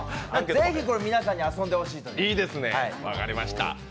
ぜひこれ、皆さんに遊んでほしいと思います。